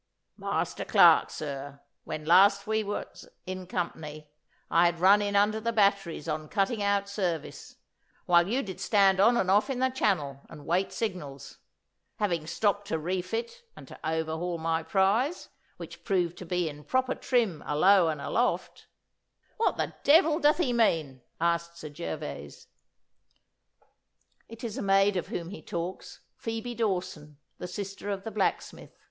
'"Master Clarke. Sir, When last we was in company I had run in under the batteries on cutting out service, while you did stand on and off in the channel and wait signals. Having stopped to refit and to overhaul my prize, which proved to be in proper trim alow and aloft "' 'What the devil doth he mean?' asked Sir Gervas. 'It is a maid of whom he talks Phoebe Dawson, the sister of the blacksmith.